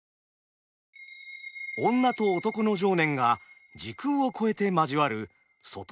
女と男の情念が時空を超えて交わる「卒都婆小町」。